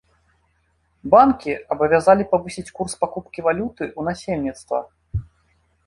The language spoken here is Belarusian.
Банкі абавязалі павысіць курс пакупкі валюты ў насельніцтва.